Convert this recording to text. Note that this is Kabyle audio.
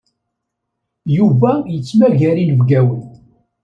Yuba yettmagar inebgawen.